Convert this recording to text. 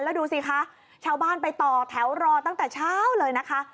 แล้วดูสิคะชาวบ้านไปต่อแถวรอตั้งแต่เช้าเลยนะคะ